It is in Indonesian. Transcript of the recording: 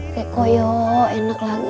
kek koyo enak lagi dah